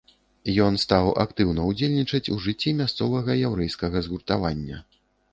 Ён стаў актыўна ўдзельнічаць у жыцці мясцовага яўрэйскага згуртавання.